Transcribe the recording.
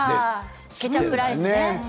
ケチャップライスね。